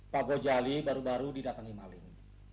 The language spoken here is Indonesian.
pak gojali baru baru didatangi maling